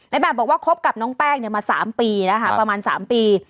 ในแม็ปบอกว่าคบกับน้องแป้งเนี้ยมาสามปีนะคะประมาณสามปี